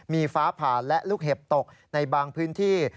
มีฟ้าผ่านและลูกเห็บตกในบางพื้นที่